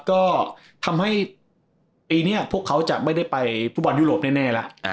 ก็ทำให้ปีนี้พวกเขาจะไม่ได้ไปฟุตบอลยุโรปแน่แล้ว